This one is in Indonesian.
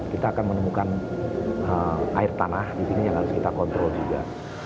kita akan menemukan air tanah di sini yang harus kita kontrol juga